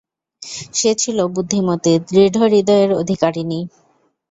সে ছিল বুদ্ধিমতী, দৃঢ় হৃদয়ের অধিকারিণী।